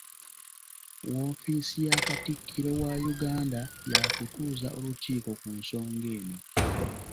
Woofiisi ya Katikkiro wa Uganda yaakutuuza olukiiko ku nsonga eno.